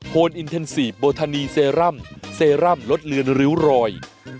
นอินเทนซีฟโบทานีเซรั่มเซรั่มลดเลือนริ้วรอย